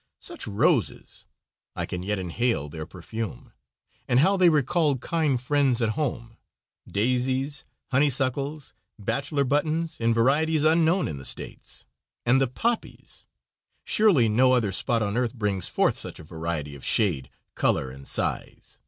Such roses! I can yet inhale their perfume, and how they recalled kind friends at home. Daisies, honeysuckles, bachelor buttons, in variety unknown in the States. And the poppies! Surely no other spot on earth brings forth such a variety of shade, color, and size.